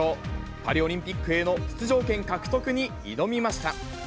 パリオリンピックへの出場権獲得へ挑みました。